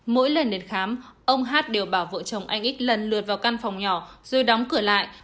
mỗi lần đến khám ông hát đều bảo vợ chồng anh ít lần lượt vào căn phòng nhỏ rồi đóng cửa lại